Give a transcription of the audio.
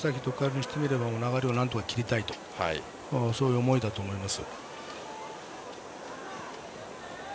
花咲徳栄にしてみれば流れをなんとか切りたいとそういう思いだと思います。